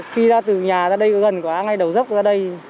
khi ra từ nhà ra đây gần quá ngay đầu dốc ra đây